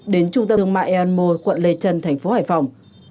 đến trung tâm thương mại ean mo quận lê trần tp hcm